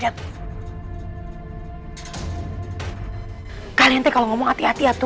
tentu karena kita saya jumpro layers kita doang maaf tante maaf ya bu